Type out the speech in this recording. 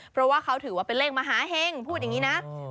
เพราะว่าเขาถือว่าเป็นเลขมหาเห็งพูดอย่างนี้นะ